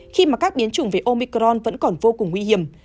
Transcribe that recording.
khi mà các biến chủng về omicron vẫn còn vô cùng nguy hiểm